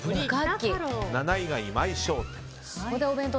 ７位が今井商店です。